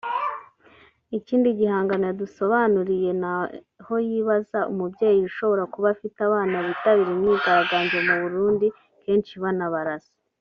Ikindi gihangano yadusobanuriye ni aho yibaza umubyeyi ushobora kuba afite abana bitabira imyigaragambyo mu Burundi kenshi banabarasa